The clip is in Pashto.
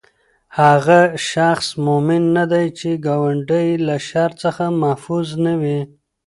هغه شخص مؤمن نه دی، چې ګاونډی ئي له شر څخه محفوظ نه وي